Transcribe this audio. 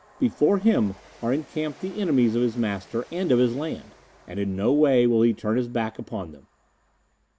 Before him are encamped the enemies of his master and of his land, and in no way will he turn his back upon them.